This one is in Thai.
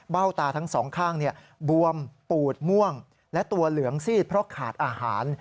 ตาทั้งสองข้างบวมปูดม่วงและตัวเหลืองซีดเพราะขาดอาหาร